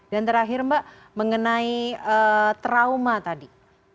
dan terakhir mbak mengenai trauma tadi